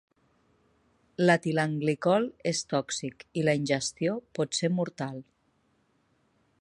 L'etilenglicol és tòxic i la ingestió pot ser mortal.